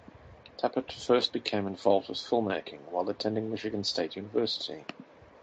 Tapert first became involved with filmmaking while attending Michigan State University.